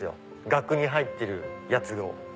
額に入ってるやつを。